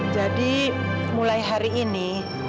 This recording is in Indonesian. jadi mulai hari ini